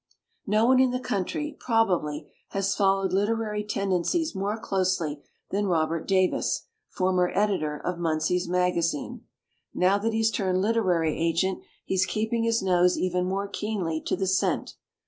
No one in the country, probably, has followed literary tendencies more closely than Robert Davis, former edi tor of "Munsey's Magazine". Now THE GOSSIP SHOP 95 that he's turned literary agent he's keeping his nose even more keenly to the scent.